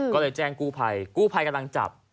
ก็เลยแจ้งกู้ภัยกู้ภัยกำลังจับ